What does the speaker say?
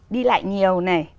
đi lại nhiều này